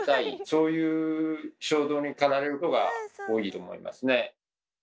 そういう衝動に駆られることが多いと思いますね。